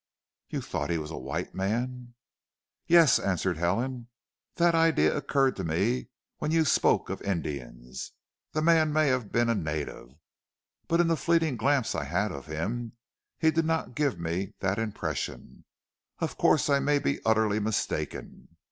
"You thought he was a white man?" "Yes," answered Helen, "that idea occurred to me when you spoke of Indians. The man may have been a native, but in the fleeting glimpse I had of him he did not give me that impression. Of course I may be utterly mistaken."